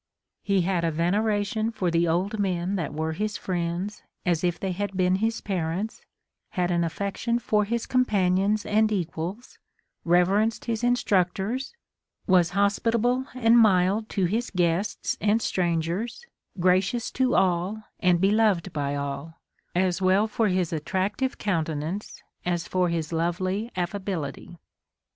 He had a veneration for the old men that were his friends, as if they had been his parents, had an affection for his companions and equals, reverenced his instructors, Avas hospitable and mild to his guests and strangers, gracious to all, and beloved by all, as well for his attractive countenance as for his lovely affability.